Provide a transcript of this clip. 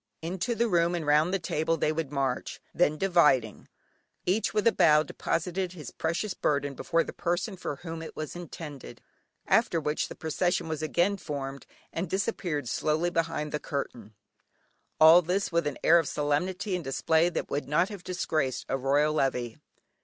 Into the room and round the table they would march, then dividing, each with a bow deposited his precious burden before the person for whom it was intended, after which the procession was again formed, and disappeared slowly behind the curtain: all this with an air of solemnity and display that would not have disgraced a royal levee.